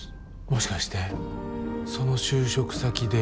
もしかしてその就職先で。